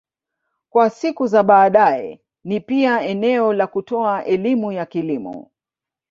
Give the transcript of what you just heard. Kwa siku za badae na pia eneo la kutoa elimu ya kilimo